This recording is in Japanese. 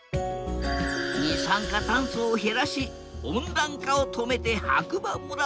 二酸化酸素を減らし温暖化を止めて白馬村を守りたい。